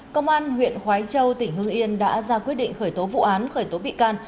công an huyện khói châu tỉnh hương yên đã ra quyết định khởi tố vụ án khởi tố bị can